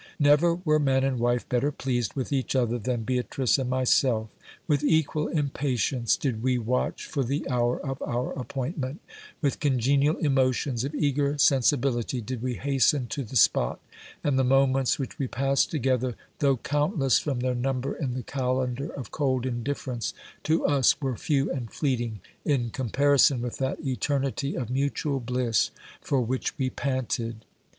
Never were man and wife better pleas ed with each other than Beatrice and myself : with equal impatience did we watch for the hour of our appointment ; with congenial emotions of eager sen sibility did we hasten to the spot, and the moments which we passed together, though countless from their number in the calendar of cold indifference, to us were few and fleeting, in comparison with that eternity of mutual bliss for which we panted.